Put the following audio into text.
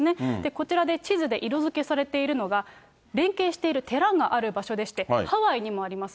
こちらで地図で色付けされているのが、連携している寺がある場所でして、ハワイにもあります。